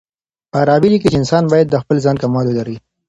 فارابي ليکي چي انسان بايد د خپل ځان کمال ولري.